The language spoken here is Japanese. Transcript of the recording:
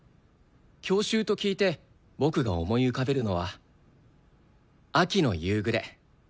郷愁と聞いて僕が思い浮かべるのは秋の夕暮れ。